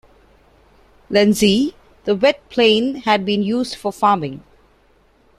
Lenzie, the 'wet plain' had been used for farming.